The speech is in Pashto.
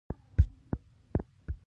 لوېدیځه اروپا ایله بنسټونو څخه برخمنه شوه.